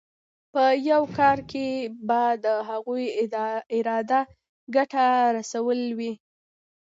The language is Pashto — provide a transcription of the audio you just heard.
په یو کار کې به د هغوی اراده ګټه رسول وي.